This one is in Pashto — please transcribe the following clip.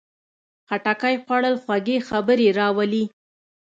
خټکی خوړل خوږې خبرې راولي.